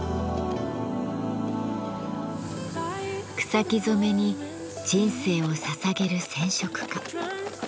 草木染めに人生をささげる染織家。